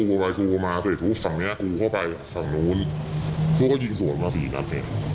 ก็เลยมันก็ห้ามให้อยู่ครับ